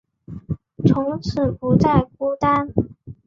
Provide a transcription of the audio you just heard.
从此不再孤单